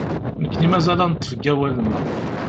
Nekni mazal ad neṭṭef deg awal-nneɣ.